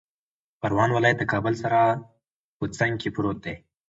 پروان ولایت د کابل سره په څنګ کې پروت دی